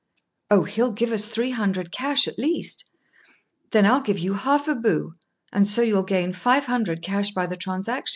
"Oh, he'll give us three hundred cash at least." "Then I'll give you half a bu; and so you'll gain five hundred cash by the transaction."